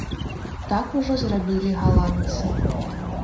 Так ужо зрабілі галандцы.